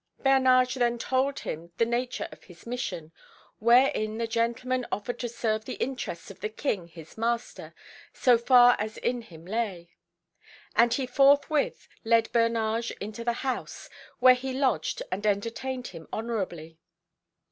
Bernage then told him the nature of his mission, wherein the gentleman offered to serve the interests of the King his master, so far as in him lay; and he forthwith led Bernage into the house, where he lodged and entertained him honourably.